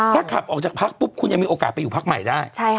ถ้าขับออกจากพักปุ๊บคุณยังมีโอกาสไปอยู่พักใหม่ได้